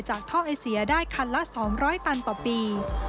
ท่อไอเสียได้คันละ๒๐๐ตันต่อปี